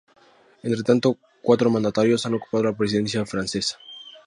Entre tanto cuatro mandatarios han ocupado la presidencia francesa.